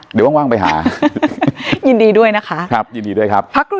เดี๋ยวว่างว่างไปหายินดีด้วยนะคะครับยินดีด้วยครับ